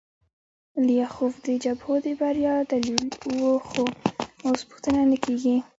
لیاخوف د جبهو د بریا دلیل و خو اوس پوښتنه نه کیږي